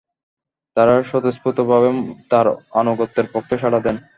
তাঁরা স্বতঃস্ফূর্তভাবে তাঁর আনুগত্যের পক্ষে সাড়া দেন।